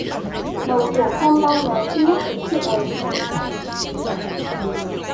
Đầu của phong đau nhói khi nhắc tới chuyện ấy